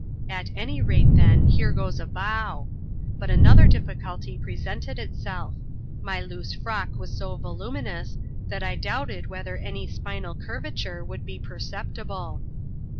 At any rate, then, here goes a bow. But another difficulty pre sented itself : my loose frock was so voluminous, that I doubted whether any spinal curvature would be perceptible.